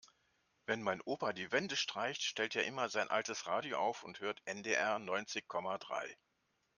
Wenn mein Opa die Wände streicht, stellt er immer sein altes Radio auf und hört NDR neunzig Komma drei.